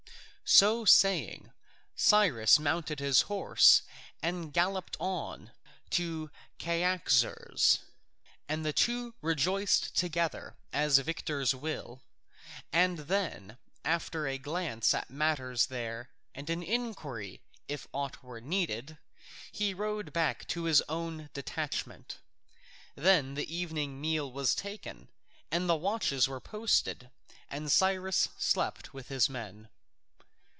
So saying, Cyrus mounted his horse and galloped on to Cyaxares, and the two rejoiced together as victors will. And then, after a glance at matters there and an inquiry if aught were needed, he rode back to his own detachment. Then the evening meal was taken and the watches were posted and Cyrus slept with his men.